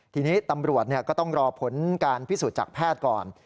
ทีนี้ตำรวจก็ต้องรอผลการพิสูจน์จากแพทย์ก่อน